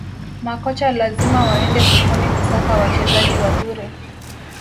Makocha lazima waende sokoni kusaka wachezaji wazuri